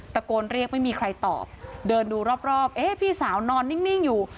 ตะโกนเรียกไม่มีใครตอบเดินดูรอบเอ๊ะพี่สาวนอนนิ่งอยู่